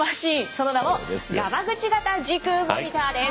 その名もガマグチ型時空モニターです。